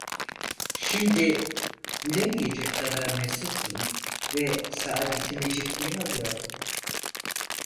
Şimdi, gülemeyecek kadar mesuttum ve saadetimi ciddiye alıyordum.